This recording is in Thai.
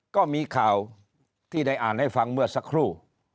ก็มีข่าวที่ได้อ่านให้ฟังเมื่อสักครู่